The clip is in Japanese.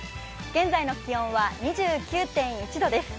現在の気温は２９．１度です。